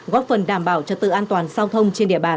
góp phần đảm bảo trật tự an toàn giao thông trên địa bàn